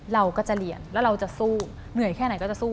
เราก็จะเรียนแล้วเราจะสู้เหนื่อยแค่ไหนก็จะสู้